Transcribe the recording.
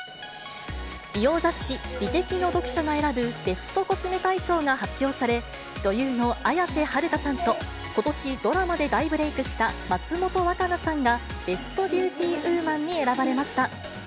美容雑誌、美的の読者が選ぶ、ベストコスメ大賞が発表され、女優の綾瀬はるかさんと、ことしドラマで大ブレークした松本若菜さんが、ベストビューティウーマン選ばれました。